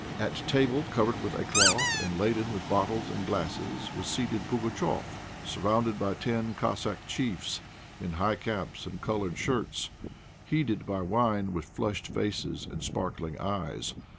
At a table covered with a cloth and laden with bottles and glasses was seated Pugatchéf, surrounded by ten Cossack chiefs, in high caps and coloured shirts, heated by wine, with flushed faces and sparkling eyes.